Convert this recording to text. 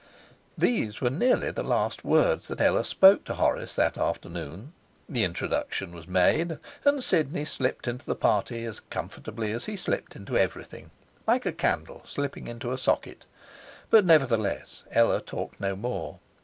These were nearly the last words that Ella spoke to Horace that afternoon. The introduction was made, and Sidney slipped into the party as comfortably as he slipped into everything, like a candle slipping into a socket. But nevertheless Ella talked no more.